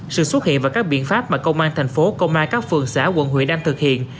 sự xuất hiện và các biện pháp mà công an tp hcm các phường xã quận huyện đang thực hiện